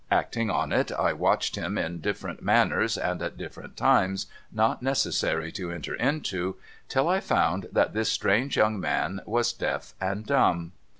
Acting on it I watched him in different manners and at different times not necessary to enter into, till I found that this strange young man was deaf and dumb.